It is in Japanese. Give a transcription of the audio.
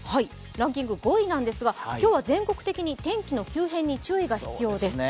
ランキング５位ですが今日は全国的に天気の急変に注意が必要です。